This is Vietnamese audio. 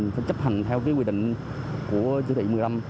phải chấp hành theo quy định của chí thị một mươi năm